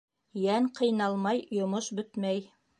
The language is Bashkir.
Йән ҡыйналмай йомош бөтмәй.